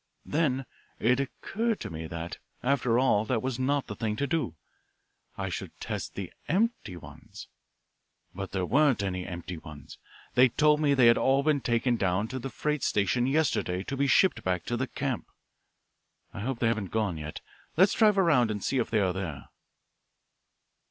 Then it occurred to me that, after all, that was not the thing to do. I should test the empty ones. But there weren't any empty ones. They told me they had all been taken down to the freight station yesterday to be shipped back to the camp. I hope they haven't gone yet. Let's drive around and see if they are there."